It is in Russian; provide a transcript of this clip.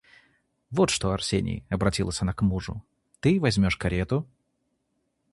Вот что, Арсений, — обратилась она к мужу, — ты возьмешь карету...